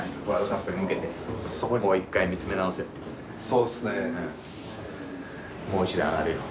そうっすね。